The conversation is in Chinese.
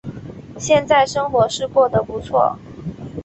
现在生活是过得不错